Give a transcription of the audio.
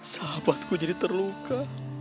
sahabatku jadi terluka